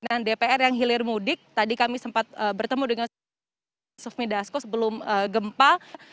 di depan dpr yang hilir mudik tadi kami sempat bertemu dengan soef medasko sebelum gempa